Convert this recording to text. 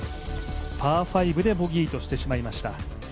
パー５でボギーとしてしまいました。